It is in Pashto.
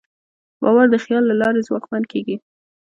باور د خیال له لارې ځواکمن کېږي.